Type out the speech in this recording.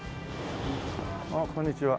ああこんにちは。